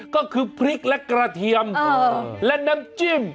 ก็คือพริกและกระเทียมและน้ำจิ้ม